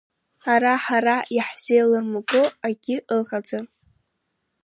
Ара ҳара иаҳзеилмырго акгьы ыҟаӡам…